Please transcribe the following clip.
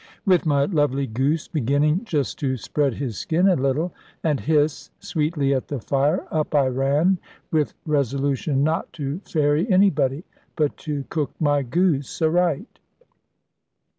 With my lovely goose beginning just to spread his skin a little, and hiss sweetly at the fire, up I ran, with resolution not to ferry anybody, but to cook my goose aright.